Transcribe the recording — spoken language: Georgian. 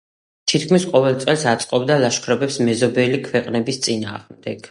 თითქმის ყოველ წელს აწყობდა ლაშქრობებს მეზობელი ქვეყნების წინააღმდეგ.